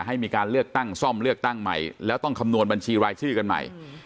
ให้มีการเลือกตั้งซ่อมเลือกตั้งใหม่แล้วต้องคำนวณบัญชีรายชื่อกันใหม่